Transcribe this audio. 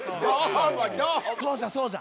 そうじゃそうじゃ。